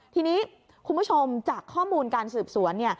ทีนี้คุณผู้ชมจากข้อมูลการสืบสวน